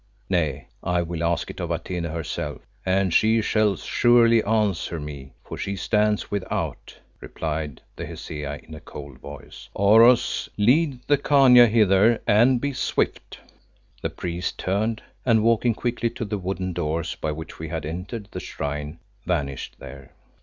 "Nay, I will ask it of Atene herself, and she shall surely answer me, for she stands without," replied the Hesea in a cold voice. "Oros, lead the Khania hither and be swift." The priest turned and walking quickly to the wooden doors by which we had entered the shrine, vanished there.